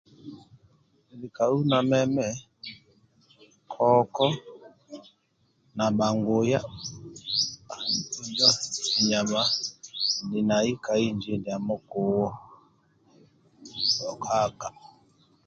Nili kau na meme koko na bhanguya injo nyama nili nai kanji bhokaka kuwo